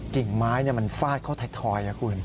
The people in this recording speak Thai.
กิ่งไม้มันฟาดเข้าไทยคุณ